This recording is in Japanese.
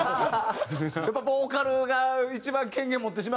やっぱボーカルが一番権限持ってしまう？